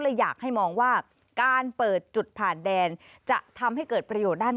อยากให้มองว่าการเปิดจุดผ่านแดนจะทำให้เกิดประโยชน์ด้าน